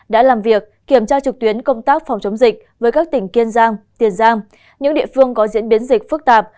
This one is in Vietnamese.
đã làm việc kiểm tra trực tuyến công tác phòng chống dịch với các tỉnh kiên giang tiền giang những địa phương có diễn biến dịch phức tạp